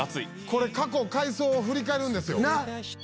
「これ過去を回想を振り返るんですよ」